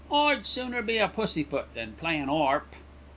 I'd sooner be a pussyfoot than play an 'arp."